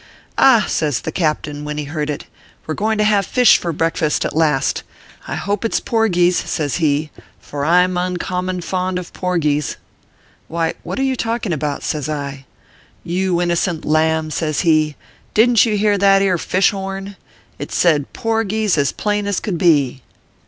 "Ah !" says the captain, when he heard it, "we re going to have fish for breakfast at last. I hope its porgies," says he: "for Tin uncommon fond of porgies/ " Why, what are you talking about ?" says I. "You innocent lamb/ says he, "didn t you hear that ere fish horn. It said e porgies/ as plain as could be."